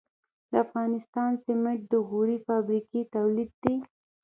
د افغانستان سمنټ د غوري فابریکې تولید دي